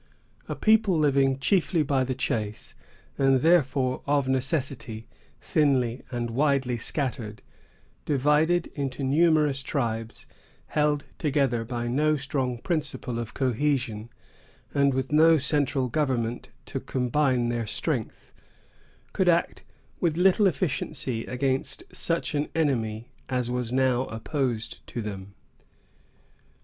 A people living chiefly by the chase, and therefore, of necessity, thinly and widely scattered; divided into numerous tribes, held together by no strong principle of cohesion, and with no central government to combine their strength, could act with little efficiency against such an enemy as was now opposed to them.